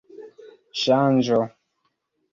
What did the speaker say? ŝanĝo